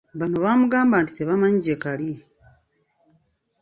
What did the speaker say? Bonna bamugamba nti tebamanyi gye kali.